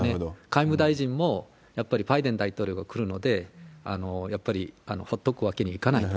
外務大臣も、やっぱりバイデン大統領が来るので、やっぱりほっとくわけにはいかない。